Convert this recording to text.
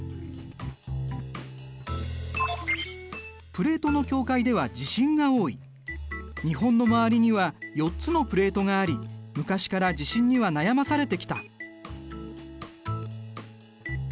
プレートの境界には日本の周りには４つのプレートがあり昔から地震には悩まされてきた。